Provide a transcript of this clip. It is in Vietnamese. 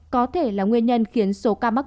có thể là nguyên nhân khiến số ca mắc